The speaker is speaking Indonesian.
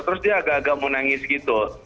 terus dia agak agak mau nangis gitu